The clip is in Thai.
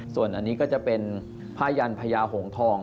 ส่วนอันนี้ก็จะเป็นพระยันทร์พระยาโหงทอง